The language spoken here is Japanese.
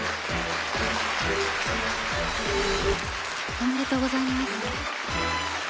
おめでとうございます。